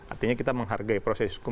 artinya kita menghargai proses hukum